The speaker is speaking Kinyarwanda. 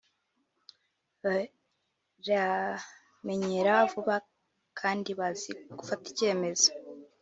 baramenyera vuba kandi bazi gufata icyemezo